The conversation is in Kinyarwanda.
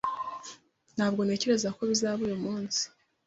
Ntabwo ntekereza ko bizaba uyu munsi.